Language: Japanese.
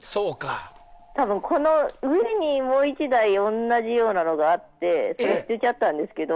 多分この上にもう１台同じようなのがあって捨てちゃったんですけど。